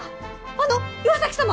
あの岩崎様！？